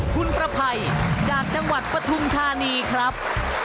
คุณประภัยจากจังหวัดปฐุมธานีครับ